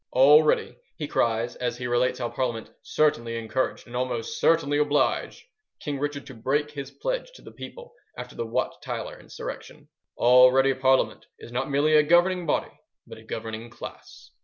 "Already," he cries, as he relates how Parliament "certainly encouraged, and almost certainly obliged" King Richard to break his pledge to the people after the Wat Tyler insurrection:— Already Parliament is not merely a governing body, but a governing class.